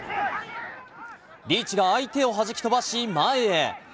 リーチが相手を弾き飛ばし前へ。